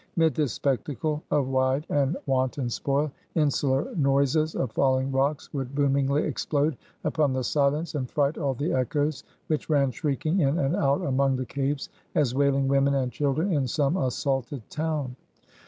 'Mid this spectacle of wide and wanton spoil, insular noises of falling rocks would boomingly explode upon the silence and fright all the echoes, which ran shrieking in and out among the caves, as wailing women and children in some assaulted town.